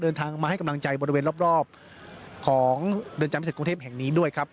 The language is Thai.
เดินทางมาให้กำลังใจบริเวณรอบของเรือนจำพิเศษกรุงเทพแห่งนี้ด้วยครับ